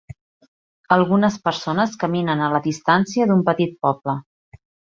Algunes persones caminen a la distància d'un petit poble.